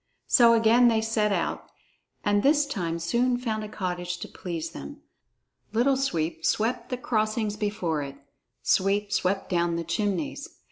So again they set out, and this time soon found a cottage to please them. Little Sweep swept the crossings before it; Sweep swept down the chimneys.